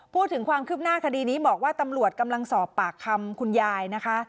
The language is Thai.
พูดถึงความคืบหน้าคดีนี้บอกว่าตำรวจกำลังสอบปากคำคุณยายนะคะ